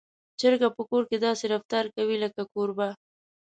چرګه په کور کې داسې رفتار کوي لکه کوربه.